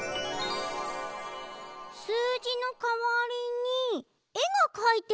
すうじのかわりにえがかいてある。